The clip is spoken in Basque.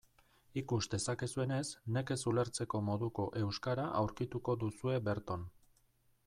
Ikus dezakezuenez, nekez ulertzeko moduko euskara aurkituko duzue berton.